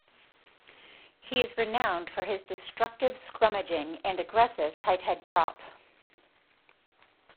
He is renowned for his destructive scrummaging and aggressive tighthead prop.